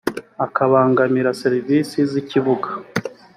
akabangamira serivisi z ikibuga